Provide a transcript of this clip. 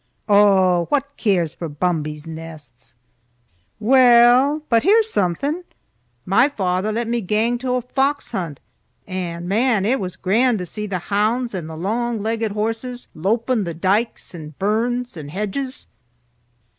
"Oh, wha cares for bumbee's nests!" "Weel, but here's something! Ma father let me gang to a fox hunt, and man, it was grand to see the hounds and the lang legged horses lowpin the dykes and burns and hedges!"